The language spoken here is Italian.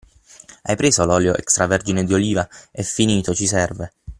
Hai preso l'olio extravergine di oliva? E' finito, ci serve!